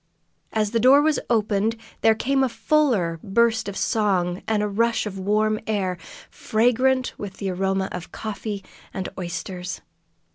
As the door was opened, there came a fuller burst of song, and a rush of warm air, fragrant with the aroma of coffee and oysters.